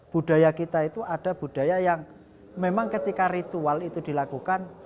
budaya kita itu ada budaya yang memang ketika ritual itu dilakukan